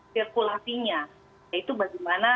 sirkulasinya yaitu bagaimana